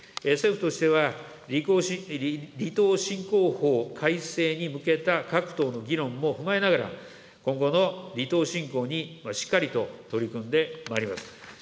政府としては、離島振興法改正に向けた各党の議論も踏まえながら、今後の離島振興にしっかりと取り組んでまいります。